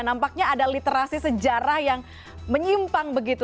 nampaknya ada literasi sejarah yang menyimpang begitu